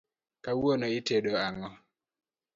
Kawuono itedo ang’o?